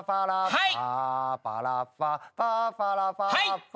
はい！